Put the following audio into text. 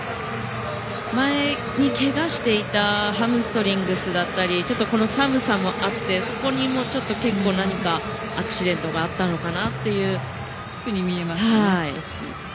前にけがしていたハムストリングスだったり寒さもあって、そこに何かアクシデントがあったのかなというふうに見えますね。